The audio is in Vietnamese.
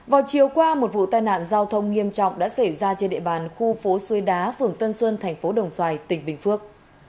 vào chiều qua một vụ tai nạn giao thông nghiêm trọng đã xảy ra trên địa bàn khu phố xuôi đá phường tân xuân thành phố đồng xoài tỉnh bình phước